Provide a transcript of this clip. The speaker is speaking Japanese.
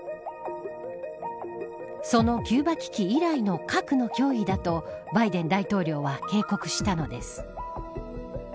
そのキューバ危機以来の核の脅威だとバイデン大統領は警告したのです。